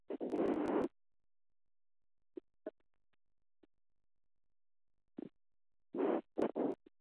His sister Mabel was the abbess of Shaftesbury Abbey.